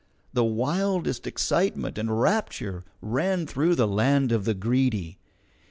The wildest excitement and rapture ran through the land of the Greedy.